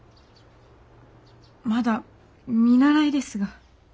まだ見習いですが。